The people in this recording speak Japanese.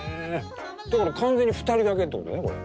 だから完全に２人だけってことねこれ。